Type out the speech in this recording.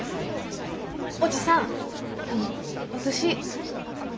おじさんあの私。